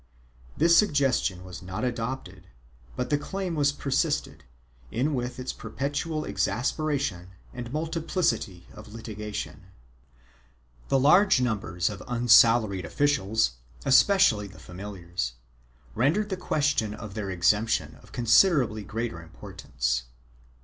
2 This suggestion was not adopted, but the claim was persisted in with its perpetual exasperation and multiplicity of litigation. The large numbers of the unsalaried officials, especially the familiars, rendered the question of their exemption of con siderably greater importance.